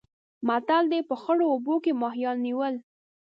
متل دی: په خړو اوبو کې ماهیان نیول.